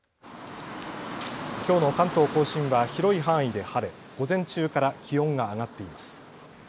きょうの関東甲信は広い範囲で晴れ、午前中から気温が上がっています。